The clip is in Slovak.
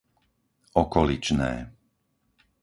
Okoličné